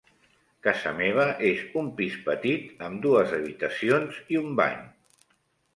Casa meva és un pis petit amb dues habitacions i un bany.